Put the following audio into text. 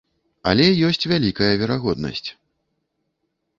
Але ёсць вялікая верагоднасць.